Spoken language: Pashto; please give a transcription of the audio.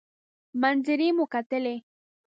منظرې مو کتلې.